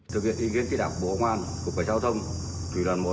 thực hiện ý kiến kỹ đạo bộ công an cục cảnh sát giao thông thủ đoàn một